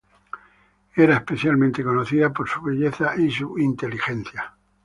Era especialmente conocida por su belleza y su inteligencia.